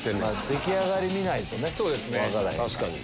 出来上がり見ないとね分からへんから。